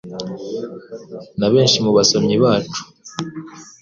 na benshi mu basomyi bacu.